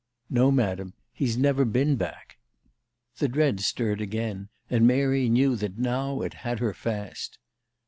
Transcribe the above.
"No, Madam. He's never been back." The dread stirred again, and Mary knew that now it had her fast.